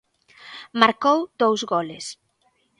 Marcou dous goles.